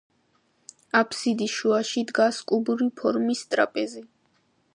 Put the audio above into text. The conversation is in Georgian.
აბსიდის შუაში დგას კუბური ფორმის ტრაპეზი.